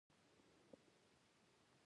بوتل د شیدو، اوبو او جوس لپاره ډېر کارېږي.